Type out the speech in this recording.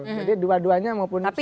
jadi dua duanya maupun siapa pun